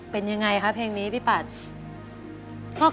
เป็นยังไงคะเพลงนี้พี่ปัด